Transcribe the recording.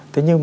thế nhưng mà